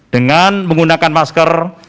dengan menggunakan masker